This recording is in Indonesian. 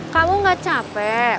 kamu gak capek